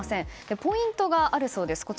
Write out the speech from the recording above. ポイントがあるそうです。